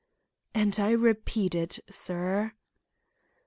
"And I repeat it, sir."